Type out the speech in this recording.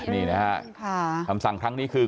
นี่นะฮะคำสั่งครั้งนี้คือ